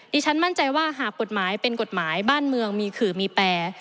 ฉันมั่นใจว่าหากกฎหมายเป็นกฎหมายบ้านเมืองมีขื่อมีแปร